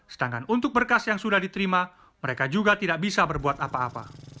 sedangkan untuk berkas yang sudah diterima mereka juga tidak bisa berbuat apa apa